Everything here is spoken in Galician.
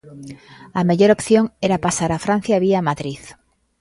A mellor opción era pasar a Francia vía Madrid.